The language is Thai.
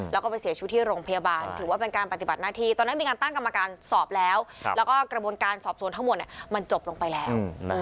แล้วก็ไปเสียชีวิตที่โรงพยาบาลถือว่าเป็นการปฏิบัติหน้าที่ตอนนั้นมีการตั้งกรรมการสอบแล้วแล้วก็กระบวนการสอบสวนทั้งหมดมันจบลงไปแล้ว